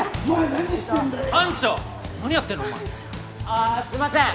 ああすみません。